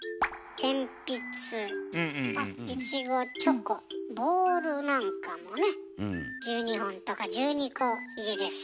鉛筆いちごチョコボールなんかもね１２本とか１２個入りです。